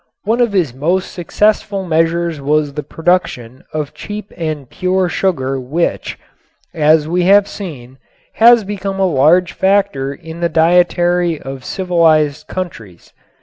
One of his most successful measures was the production of cheap and pure sugar which, as we have seen, has become a large factor in the dietary of civilized countries.